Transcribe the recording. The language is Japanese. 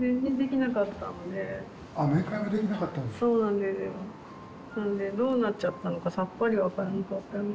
なのでどうなっちゃったのかさっぱり分からなかったので。